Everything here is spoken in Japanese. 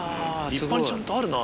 立派にちゃんとあるな。